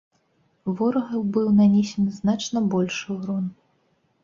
Ворагу быў нанесены значна большы ўрон.